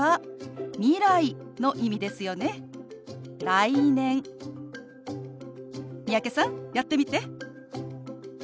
三宅さんやってみて。